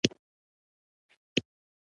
دوکاندار له زوی سره یو ځای کار کوي.